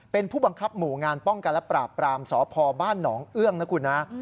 เป็นผู้บังคับหมู่งานป้องกันและปราบปรามสพบ้านหนองเอื้องนะคุณนะ